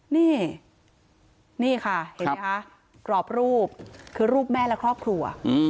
นี่นี่ค่ะเห็นไหมคะกรอบรูปคือรูปแม่และครอบครัว